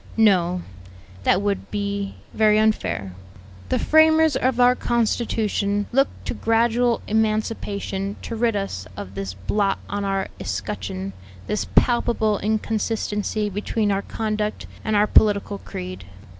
"No; that would be very unfair. The framers of our constitution looked to gradual emancipation to rid us of this blot on our escutcheon, this palpable inconsistency between our conduct and our political creed.